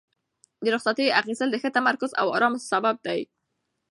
د رخصتیو اخیستل د ښه تمرکز او ارام سبب دی.